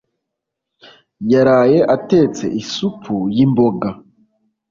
Yaraye atetse isupu yimboga.